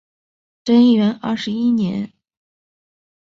贞元二十一年